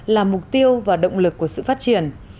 là mục tiêu và động lực của sự phát triển